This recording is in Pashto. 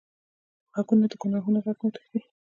غوږونه د ګناهونو غږ نه تښتي